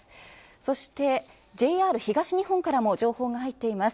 そしてＪＲ東日本からも情報が入っています。